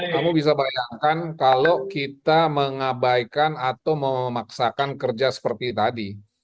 kamu bisa bayangkan kalau kita mengabaikan atau memaksakan kerja seperti tadi